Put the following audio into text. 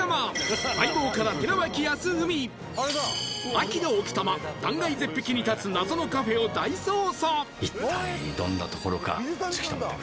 秋の奥多摩断崖絶壁に建つ謎のカフェを大捜査